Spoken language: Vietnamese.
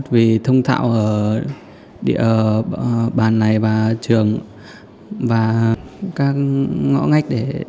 vì thông thạo ở địa bàn này và trường và các ngõ ngách để